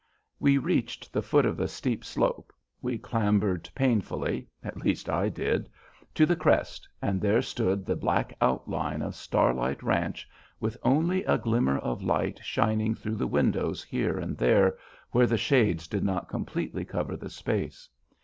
We reached the foot of the steep slope; we clambered painfully at least I did to the crest, and there stood the black outline of Starlight Ranch, with only a glimmer of light shining through the windows here and there where the shades did not completely cover the space.